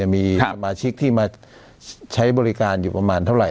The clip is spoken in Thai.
มีสมาชิกที่มาใช้บริการอยู่ประมาณเท่าไห